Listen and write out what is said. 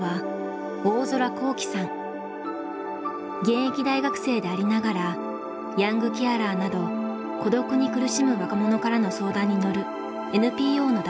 現役大学生でありながらヤングケアラーなど孤独に苦しむ若者からの相談に乗るＮＰＯの代表です。